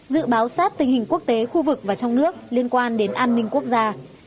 dự báo sát tình hình quốc tế khu vực và trong nước liên quan đến an ninh quốc gia